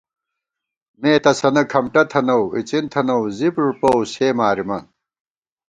مے تسَنہ کھمٹہ تھنَؤ اِڅن تھنَؤ زِپ ݫُپوؤ سے مارِمان